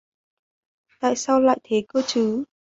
tại sao lại thế cơ chứ